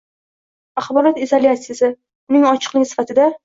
axborot izolyatsisi – uning ochiqligi sifatida;